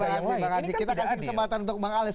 ini kan kita kasih kesempatan untuk bang alex